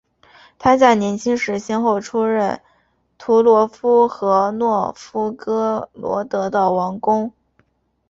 他在年轻时先后出任图罗夫和诺夫哥罗德的王公。